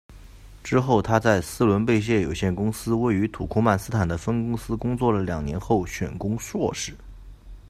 之后她在斯伦贝谢有限公司位于土库曼斯坦的分公司工作了两年后选攻硕士。